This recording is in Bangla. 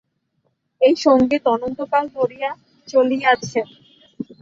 এই সঙ্গীত অনন্তকাল ধরিয়া চলিয়াছে।